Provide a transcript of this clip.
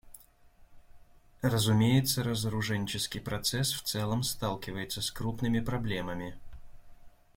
Разумеется, разоруженческий процесс в целом сталкивается с крупными проблемами.